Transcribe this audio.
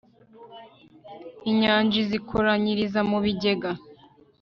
inyanja azikoranyiriza mu bigega